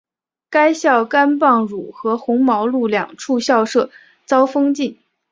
该校甘榜汝和红毛路两处校舍遭封禁。